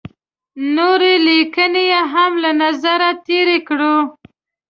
نورې لیکنې یې هم له نظره تېرې کړو.